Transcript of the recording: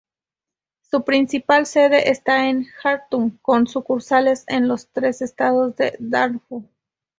Su principal sede está en Jartum con sucursales en los tres estados de Darfur.